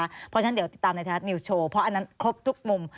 เพราะฉะนั้นเดี๋ยวติดตามในไทยรัฐนิวส์โชว์เพราะอันนั้นครบทุกมุม